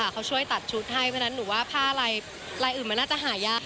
เขาช่วยตัดชุดให้เพราะฉะนั้นหนูว่าผ้าลายอื่นมันน่าจะหายาก